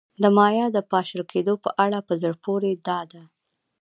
د مایا د پاشل کېدو په اړه په زړه پورې دا ده